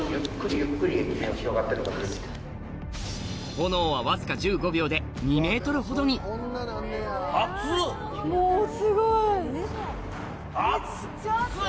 ・炎はわずか１５秒で２ｍほどにもうすごい！熱い！